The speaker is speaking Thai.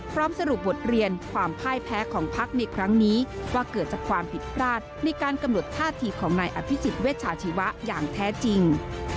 พร้อมสรุปบทเรียนความพ่ายแพ้ของพักในครั้งนี้ว่าเกิดจากความผิดพลาดในการกำหนดท่าทีของนายอภิษฎเวชาชีวะอย่างแท้จริง